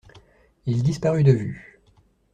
Il disparut de vue.